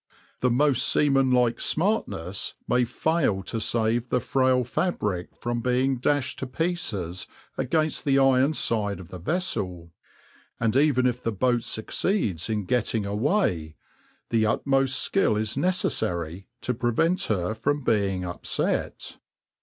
The most seamen like smartness may fail to save the frail fabric from being dashed to pieces against the iron side of the vessel, and even if the boat succeeds in getting away, the utmost skill is necessary to prevent her from being upset.